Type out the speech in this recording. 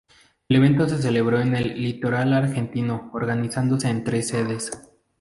El evento se celebró en el litoral argentino organizándose en tres sedes.